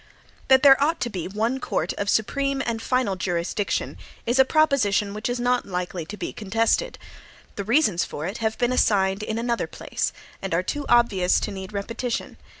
"(1) That there ought to be one court of supreme and final jurisdiction, is a proposition which is not likely to be contested. The reasons for it have been assigned in another place, and are too obvious to need repetition.